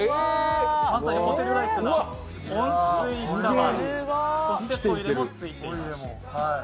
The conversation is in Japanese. まさにホテルライクな温水シャワー、そしてトイレもついています。